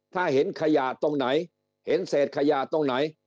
ถ้าเห็นขยะตรงไหนเห็นเศษขยะตรงไหน